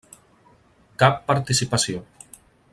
Cap participació.